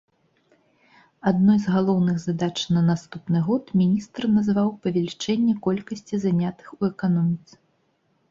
Адной з галоўных задач на наступны год міністр назваў павелічэнне колькасці занятых у эканоміцы.